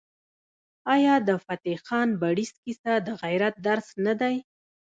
آیا د فتح خان بړیڅ کیسه د غیرت درس نه دی؟